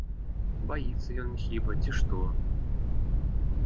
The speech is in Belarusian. Баіцца ён хіба, ці што?